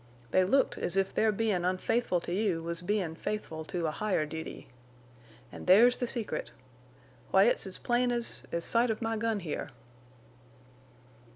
They looked as if their bein' unfaithful to you was bein' faithful to a higher duty. An' there's the secret. Why it's as plain as—as sight of my gun here."